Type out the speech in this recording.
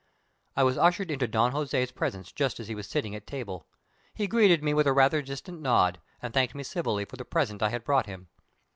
I was ushered into Don Jose's presence just as he was sitting at table. He greeted me with a rather distant nod, and thanked me civilly for the present I had brought him.